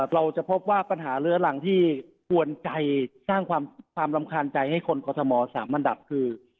เราจะพบว่าปัญหาเลื้อหลังที่กวนใจสร้างความรำคาญใจให้คนกรทม๓อันดับคือ